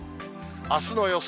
あすの予想